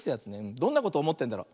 どんなことおもってんだろう。